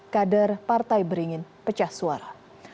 kader partai beringin pecah suara